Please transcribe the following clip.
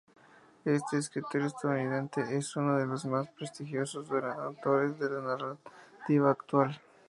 Este escritor estadounidense es uno de los más prestigiosos autores de la narrativa actual.